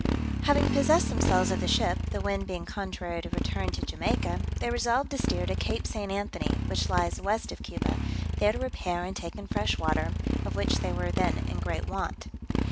Having possessed themselves of the ship, the wind being contrary to return to Jamaica, they resolved to steer to Cape St. Anthony (which lies west of Cuba), there to repair and take in fresh water, of which they were then in great want.